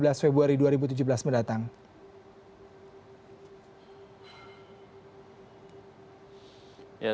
bagaimana dengan persiapan logistik maupun kesiapan suara ke lima wilayah